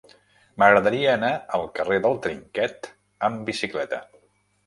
M'agradaria anar al carrer del Trinquet amb bicicleta.